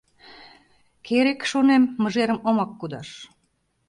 Керек, шонем, мыжерым омак кудаш...